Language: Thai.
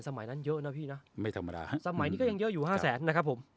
สมัยนั้นเยอะนะพี่นะไม่ธรรมดาฮะสมัยนี้ก็ยังเยอะอยู่ห้าแสนนะครับผม